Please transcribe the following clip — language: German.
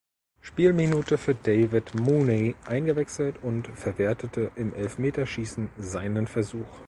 Spielminute für David Mooney eingewechselt und verwertete im Elfmeterschießen seinen Versuch.